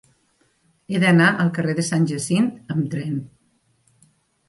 He d'anar al carrer de Sant Jacint amb tren.